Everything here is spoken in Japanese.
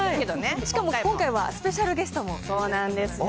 しかも今回はスペシャルゲストも。